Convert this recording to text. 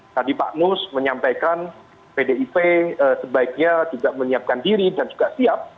tadi pak nus menyampaikan pdip sebaiknya juga menyiapkan diri dan juga siap